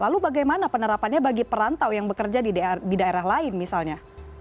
lalu bagaimana penerapannya bagi perantau yang bekerja di daerah lain misalnya